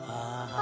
あ。